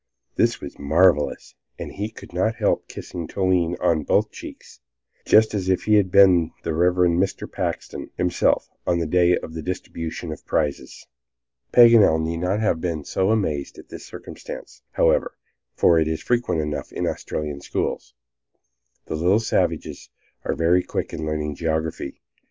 This was marvelous, and he could not help kissing Toline on both cheeks, just as if he had been the Reverend Mr. Paxton himself, on the day of the distribution of prizes. Paganel need not have been so amazed at this circumstance, however, for it is frequent enough in Australian schools. The little savages are very quick in learning geography.